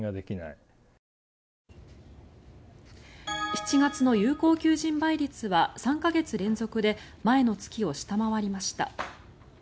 ７月の有効求人倍率は３か月連続で前の月を下回りました。